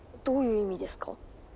どういう意味ですか？